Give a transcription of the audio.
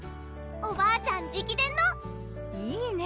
おばあちゃん直伝のいいね